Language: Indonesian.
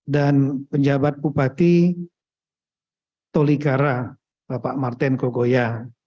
dan penjabat bupati tolikara bapak martin kogoya